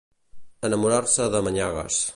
Enamorar-se de maganyes.